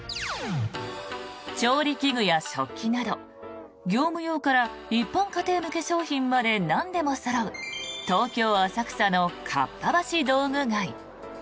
調理器具や食器など業務用から一般家庭向け商品までなんでもそろう東京・浅草のかっぱ橋道具街。